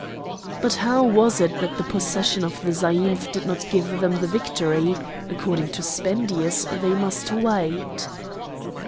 But how was it that the possession of the zaïmph did not give them the victory? According to Spendius they must wait.